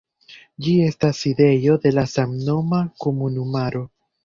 Ĝi estas sidejo de la samnoma komunumaro.